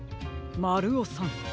まるおさん。